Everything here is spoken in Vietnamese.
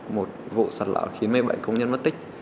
một vụ sật lỡ khiến một mươi bảy công nhân mất tích